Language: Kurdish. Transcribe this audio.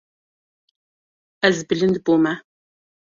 Ez bilind bûme.